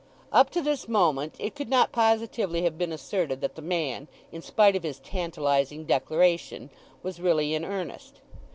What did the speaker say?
Up to this moment it could not positively have been asserted that the man, in spite of his tantalizing declaration, was really in earnest.